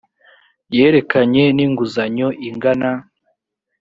yerekeranye n inguzanyo ingana